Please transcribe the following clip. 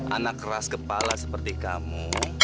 anak keras kepala seperti kamu